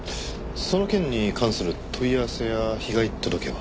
その件に関する問い合わせや被害届は？